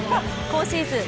今シーズン